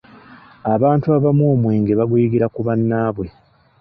Abantu abamu omwenge baguyigira ku bannaabwe.